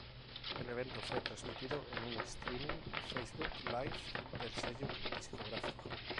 El evento fue transmitido en un Streaming Facebook Live del sello discográfico.